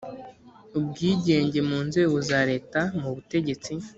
ubwigenge mu nzego za leta mu butegetsi